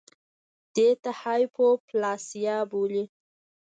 دې ته هایپوپلاسیا بولي